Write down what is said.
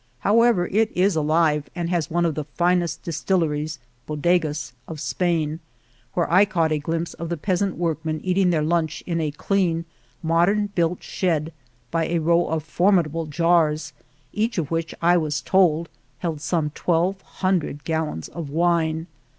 However, it is alive and has one of the finest distilleries (bodegas) of Spain, where I caught a glimpse of the peasant workmen eating their lunch in a clean mod ern built shed by a row of formidable jars, each of which, I was told, held some twelve hundred gallons of wine.